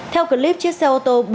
theo clip chiếc xe ô tô